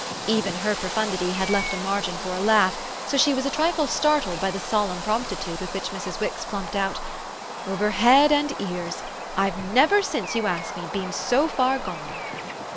Even her profundity had left a margin for a laugh; so she was a trifle startled by the solemn promptitude with which Mrs. Wix plumped out: "Over head and ears. I've NEVER since you ask me, been so far gone."